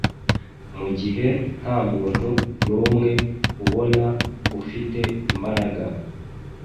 mugihe ntamuntu numwe ubona ufite imbaraga